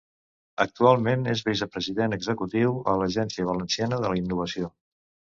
Actualment és Vicepresident Executiu a l'Agència Valenciana de la Innovació.